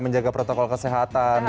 menjaga protokol kesehatan